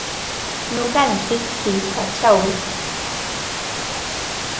Nuqantsik qichpachawmi qillqantsik.